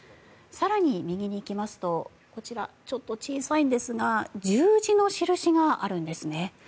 更に右に行きますとこちら、ちょっと小さいんですが十字の印があるんですね。